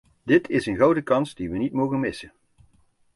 Dit is een gouden kans die we niet mogen missen.